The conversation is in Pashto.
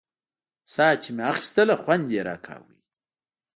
ساه چې مې اخيستله خوند يې راکاوه.